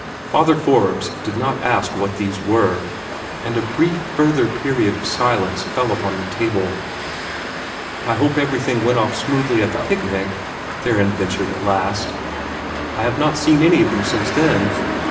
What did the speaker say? Father Forbes did not ask what these were, and a brief further period of silence fell upon the table. "I hope everything went off smoothly at the picnic," Theron ventured, at last. "I have not seen any of you since then."